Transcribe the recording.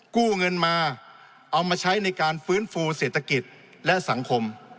กู้เงินมาเอามาใช้ในการฟื้นฟูเศรษฐกิจและสังคม